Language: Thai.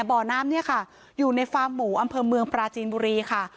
บ่อน้ำเนี่ยค่ะอยู่ในฟาร์มหมูอำเภอเมืองปราจีนบุรีค่ะ